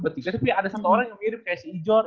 tapi ada satu orang yang mirip kayak si ijon